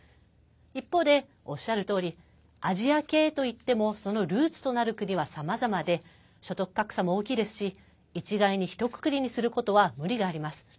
一方で、おっしゃるとおりアジア系といってもそのルーツとなる国はさまざまで所得格差も大きいですし一概に、ひとくくりにすることは無理があります。